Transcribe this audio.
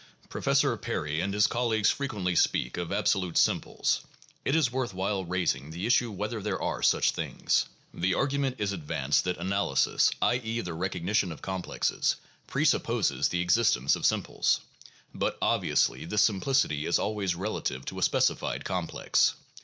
Professor Perry and his colleagues frequently speak of absolute simples. It is worth while raising the issue whether there are such things. The argument is advanced that analysis, i. e., the recognition of complexes, presupposes the existence of simples. But obviously this simplicity is always relative to a specific complex.